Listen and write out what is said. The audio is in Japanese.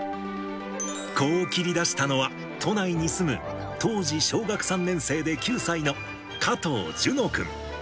こう切り出したのは、都内に住む当時小学３年生で９歳の加藤諄之君。